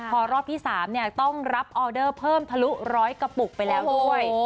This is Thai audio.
พอรอบที่๓ต้องรับออเดอร์เพิ่มทะลุร้อยกระปุกไปแล้วด้วย